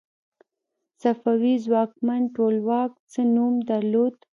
صفوي ځواکمن ټولواک څه نوم درلود؟